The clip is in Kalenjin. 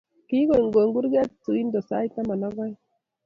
kii konykonyi kurget tuindo sait taman ak oeng'